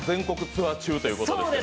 ツアー中ということで。